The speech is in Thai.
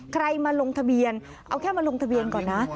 ใครมาลงทะเบียนเอาแค่มาลงทะเบียนก่อนนะ